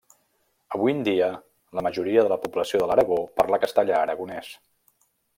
Avui en dia la majoria de la població de l'Aragó parla castellà aragonès.